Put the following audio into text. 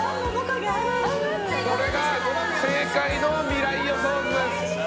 これが正解の未来予想図です。